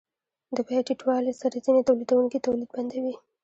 د بیې ټیټوالي سره ځینې تولیدونکي تولید بندوي